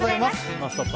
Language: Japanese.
「ノンストップ！」